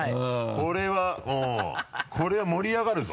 これはうんこれは盛り上がるぞ。